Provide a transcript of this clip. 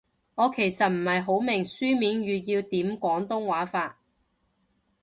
我其實唔係好明書面語要點廣東話法